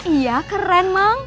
iya keren mang